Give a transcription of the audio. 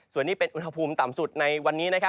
ส่วนนี้เป็นอุณหภูมิต่ำสุดในวันนี้